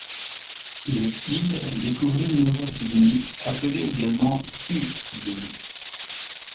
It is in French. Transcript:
Le il découvrit Nova Cygni, appelée également Q Cygni.